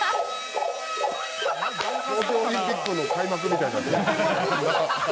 東京オリンピックの開幕みたいになってる。